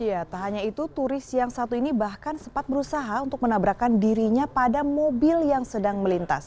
iya tak hanya itu turis yang satu ini bahkan sempat berusaha untuk menabrakkan dirinya pada mobil yang sedang melintas